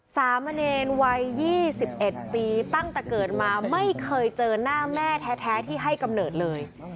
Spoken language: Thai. สามเณรวัย๒๑ปีตั้งแต่เกิดมาไม่เคยเจอหน้าแม่แท้ที่ให้กำเนิดเลย